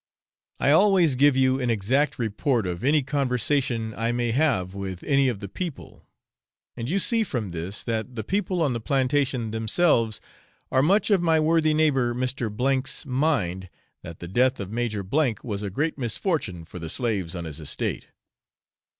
I always give you an exact report of any conversation I may have with any of the people, and you see from this that the people on the plantation themselves are much of my worthy neighbour Mr. C 's mind, that the death of Major was a great misfortune for the slaves on his estate.